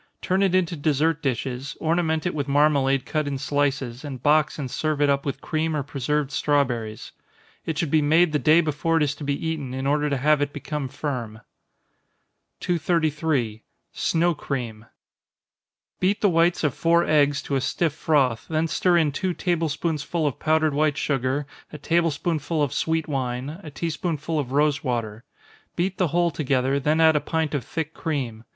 Turn it into dessert dishes, ornament it with marmalade cut in slices, and box and serve it up with cream or preserved strawberries. It should be made the day before it is to be eaten, in order to have it become firm. 233. Snow Cream. Beat the whites of four eggs to a stiff froth then stir in two table spoonsful of powdered white sugar, a table spoonful of sweet wine, a tea spoonful of rosewater. Beat the whole together, then add a pint of thick cream.